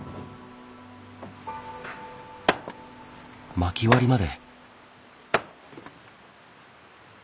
まき割りまで。